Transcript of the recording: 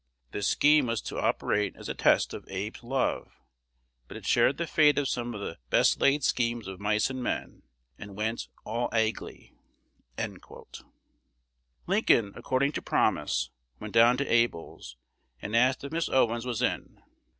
'" This scheme was to operate as a test of Abe's love; but it shared the fate of some of "the best laid schemes of mice and men," and went "all agley." Lincoln, according to promise, went down to Able's, and asked if Miss Owens was in.